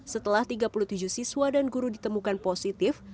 setelah tiga puluh tujuh siswa dan guru ditemukan positif